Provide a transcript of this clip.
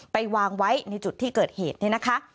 ไปวางไว้ในจุดที่เกิดเหตุเนี่ยนะคะ